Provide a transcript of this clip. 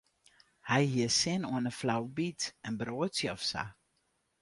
Hy hie sin oan in flaubyt, in broadsje of sa.